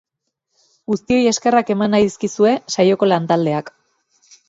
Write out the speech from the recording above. Guztioi eskerrak eman nahi dizkizue saioko lantaldeak.